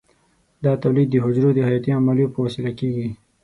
دا تولید د حجرو د حیاتي عملیو په وسیله کېږي.